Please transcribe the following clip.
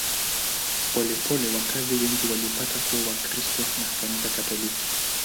Polepole wakazi wengi walipata kuwa Wakristo wa Kanisa Katoliki.